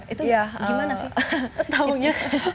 itu gimana sih taunya